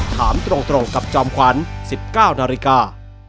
ถามตรงกับจอมขวัญ๑๙นาฬิกา